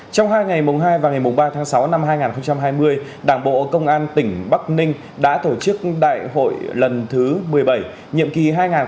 trong hai ngày mùng hai và ngày mùng ba tháng sáu năm hai nghìn hai mươi đảng bộ công an tỉnh bắc ninh đã tổ chức đại hội lần thứ một mươi bảy nhiệm kỳ hai nghìn hai mươi hai nghìn hai mươi năm